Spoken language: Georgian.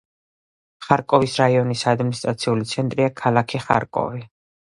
ხარკოვის რაიონის ადმინისტრაციული ცენტრია ქალაქი ხარკოვი.